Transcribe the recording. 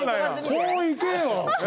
こういけよ！